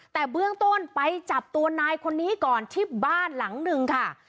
แต่เบื้องต้นไปจับตัวนายคนนี้ก่อนที่บ้านหลังหนึ่งค่ะ